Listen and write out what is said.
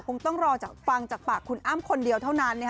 คงต้องรอฟังจากปากคุณอ้ำคนเดียวเท่านั้น